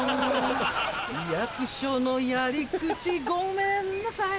役所のやり口ごめんなさい